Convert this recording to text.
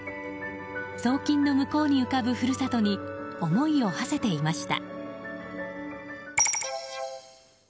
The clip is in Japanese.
送金の向こうに浮かぶ故郷に思いをはせていました。